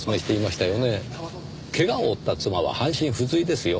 怪我を負った妻は半身不随ですよ。